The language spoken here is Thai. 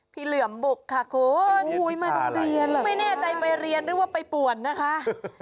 พี่เหลื่อมบุกค่ะคุณมาโรงเรียนหรือว่าไปป่วนนะคะพี่เหลื่อมบุกค่ะคุณมาโรงเรียนหรือว่าไปป่วนนะคะ